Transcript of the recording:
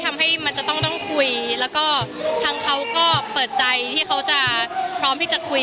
ทำให้มันจะต้องต้องคุยแล้วก็ทางเขาก็เปิดใจที่เขาจะพร้อมที่จะคุย